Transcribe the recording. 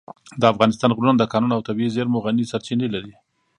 د افغانستان غرونه د کانونو او طبیعي زېرمو غني سرچینې لري.